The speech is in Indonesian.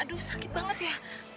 aduh sakit banget ya